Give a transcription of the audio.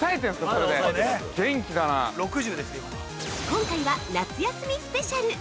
◆今回は夏休みスペシャル！